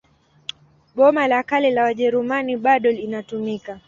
Boma la Kale la Wajerumani bado inatumika.